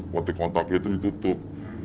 kontaknya itu ditutup